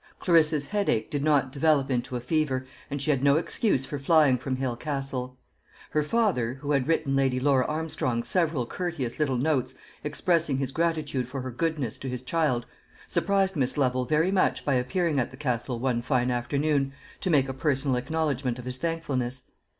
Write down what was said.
Clarissa's headache did not develop into a fever, and she had no excuse for flying from Hale Castle. Her father, who had written Lady Laura Armstrong several courteous little notes expressing his gratitude for her goodness to his child, surprised Miss Lovel very much by appearing at the Castle one fine afternoon to make a personal acknowledgment of his thankfulness.